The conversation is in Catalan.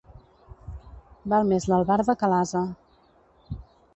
Val més l'albarda que l'ase.